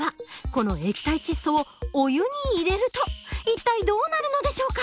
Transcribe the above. この液体窒素をお湯に入れると一体どうなるのでしょうか？